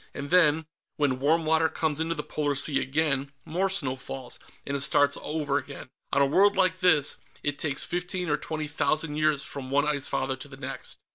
And then, when warm water comes into the polar sea again, more snow falls, and it starts over again. On a world like this, it takes fifteen or twenty thousand years from one Ice Father to the next."